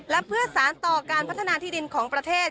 และเพื่อสารต่อการพัฒนาที่ดินของประเทศ